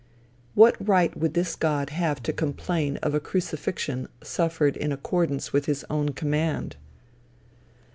What right would this God have to complain of a crucifixion suffered in accordance with his own command?